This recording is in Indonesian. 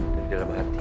dan dalam hati